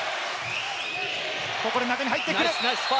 ここで中に入ってくる。